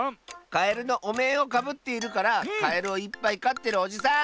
カエルのおめんをかぶっているからカエルをいっぱいかってるおじさん！